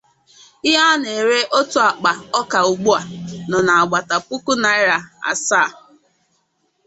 Ihe a na-ere otu akpa ọka ugbu a nọ n’agbata puku naịra asaa